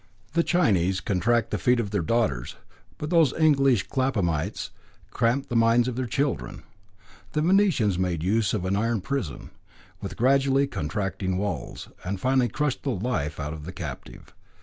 The Chinese contract the feet of their daughters, but those English Claphamites cramped the minds of their children. The Venetians made use of an iron prison, with gradually contracting walls, that finally crushed the life out of the captive.